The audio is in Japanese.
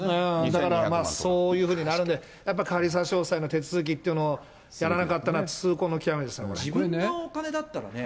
だからそういうふうになるんで、やっぱり仮差し押さえの手続きっていうものをやらなかったのは痛自分のお金だったらね。